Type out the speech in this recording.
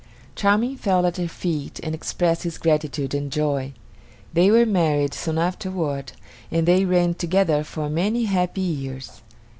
Charming fell at her feet and expressed his gratitude and joy. They were married soon afterward, and they reigned together for many happy years.